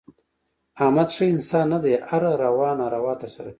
احمد ښه انسان نه دی. هره روا ناروا ترسه کوي.